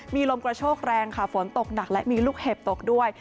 มีลมกระโชกแรงค่ะฝนตกหนักและมีลูกเห็บตกด้วย